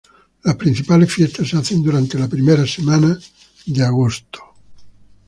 Las principales fiestas se hacen durante la primera semana de agosto.